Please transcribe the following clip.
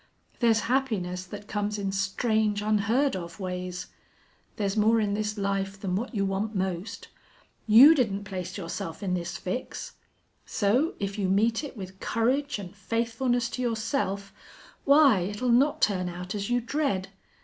There's happiness that comes in strange, unheard of ways. There's more in this life than what you want most. You didn't place yourself in this fix. So if you meet it with courage an' faithfulness to yourself, why, it'll not turn out as you dread....